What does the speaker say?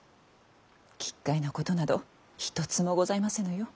奇怪なことなど一つもございませぬよ。